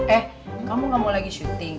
eh kamu gak mau lagi syuting